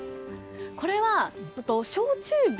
これは焼酎瓶。